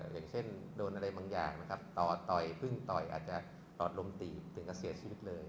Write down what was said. อย่างเช่นโดนอะไรบางอย่างนะครับต่อต่อยพึ่งต่อยอาจจะหลอดลมตีบถึงกับเสียชีวิตเลย